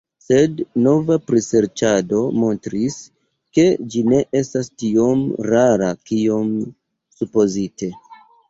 Sed nova priserĉado montris, ke ĝi ne estas tiom rara kiom supozite.